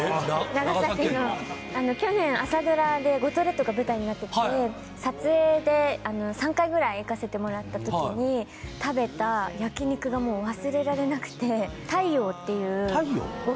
長崎の去年朝ドラで五島列島が舞台になってて撮影で３回ぐらい行かせてもらった時に食べた焼肉がもう忘れられなくて泰陽っていう泰陽？